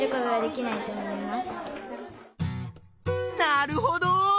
なるほど！